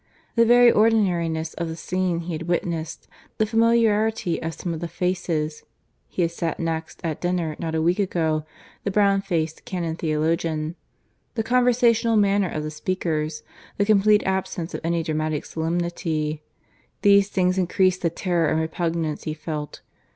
The very ordinariness of the scene he had witnessed, the familiarity of some of the faces (he had sat next at dinner, not a week ago, the brown faced Canon Theologian), the conversational manner of the speakers, the complete absence of any dramatic solemnity these things increased the terror and repugnance he felt.